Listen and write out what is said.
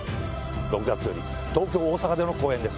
６月より東京大阪での公演です。